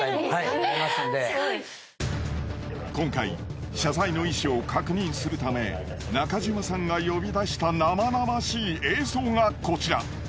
今回謝罪の意思を確認するため中島さんが呼び出した生々しい映像がこちら。